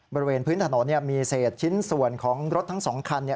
บริเวณพื้นถนนมีเศษชิ้นส่วนของรถทั้ง๒คัน